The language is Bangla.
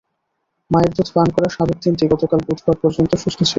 মায়ের দুধ পান করা শাবক তিনটি গতকাল বুধবার পর্যন্ত সুস্থ ছিল।